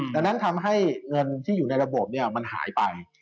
ดังนั้นทำให้เงินที่อยู่ในระบบมันหายไป